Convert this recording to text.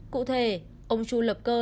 cụ thể ông chu lập cơ